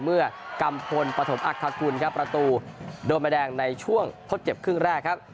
เมื่อกำพลประถมอักษรคุณครับประตูโดมแดงในช่วงทดเจ็บครึ่งแรกครับ